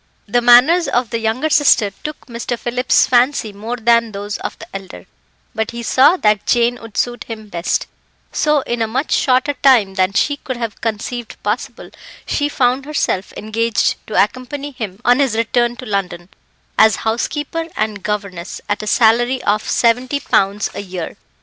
The manners of the younger sister took Mr. Phillips's fancy more than those of the elder, but he saw that Jane would suit him best; so, in a much shorter time than she could have conceived possible, she found herself engaged to accompany him on his return to London, as housekeeper and governess, at a salary of 70 pounds a year.